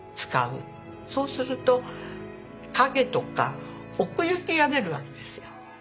そうすると陰とか奥行きが出るわけですよ。